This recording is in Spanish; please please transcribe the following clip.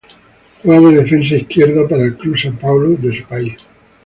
Juega de defensa izquierdo para el club São Paulo de su país.